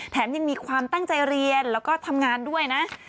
ยังมีความตั้งใจเรียนแล้วก็ทำงานด้วยนะ